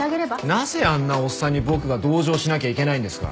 なぜあんなおっさんに僕が同情しなきゃいけないんですか。